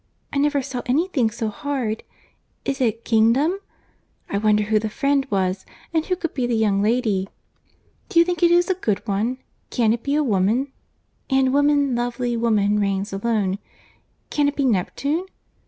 I never saw any thing so hard. Is it kingdom? I wonder who the friend was—and who could be the young lady. Do you think it is a good one? Can it be woman? And woman, lovely woman, reigns alone. Can it be Neptune?